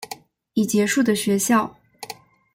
已结束的学校